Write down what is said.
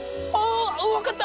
分かった。